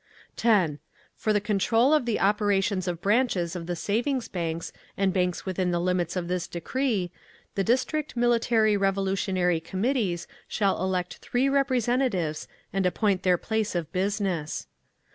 10. For the control of the operations of Branches of the Savings Banks and Banks within the limits of this decree, the district Military Revolutionary Committees shall elect three representatives and appoint their place of business.